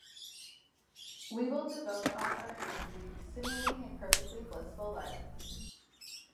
We will devote all our energy to simulating a perfectly blissful life.